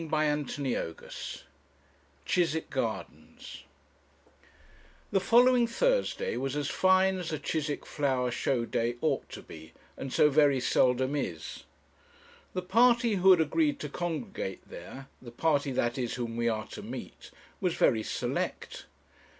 CHAPTER XXV CHISWICK GARDENS The following Thursday was as fine as a Chiswick flower show day ought to be, and so very seldom is. The party who had agreed to congregate there the party, that is, whom we are to meet was very select.